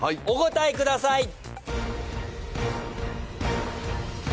お答えください。